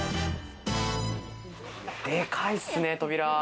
でかいっすね扉。